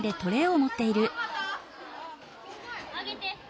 上げて。